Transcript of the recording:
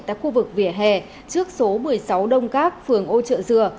tại khu vực vỉa hè trước số một mươi sáu đông các phường ô trợ dừa